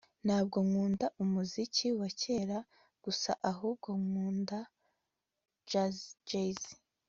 Ntabwo nkunda umuziki wa kera gusa ahubwo nkunda jazz